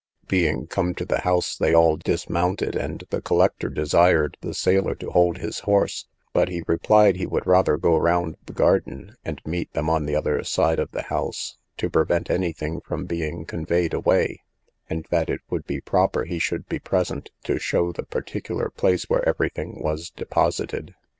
Being come to the house, they all dismounted, and the collector desired the sailor to hold his horse, but he replied he would rather go round the garden, and meet them on the other side of the house, to prevent any thing from being conveyed away, and that it would be proper he should be present to show the particular place where every thing was deposited.